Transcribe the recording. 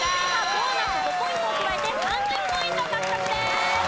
ボーナス５ポイントを加えて３０ポイント獲得です！